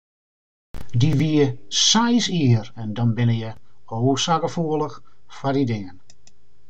Dy wie seis jier en dan binne je o sa gefoelich foar dy dingen.